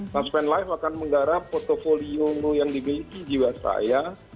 transpending life akan menggarap portfolio yang dimiliki jiwasraya